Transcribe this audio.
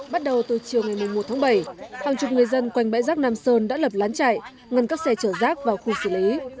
bắt đầu từ chiều ngày một tháng bảy hàng chục người dân quanh bãi rác nam sơn đã lập lán chạy ngăn các xe chở rác vào khu xử lý